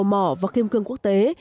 dầu mỏ và kim cương quốc tế